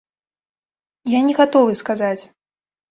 Я не гатовы сказаць.